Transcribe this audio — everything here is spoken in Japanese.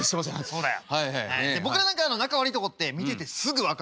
そうだよ。